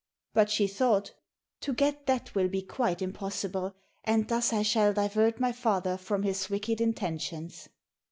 But she thought, "To get that will be quite impossible, and thus I shall divert my father from his wicked intentions."